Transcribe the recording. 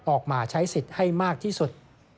ออกมาใช้สิทธิ์ให้มากที่สุด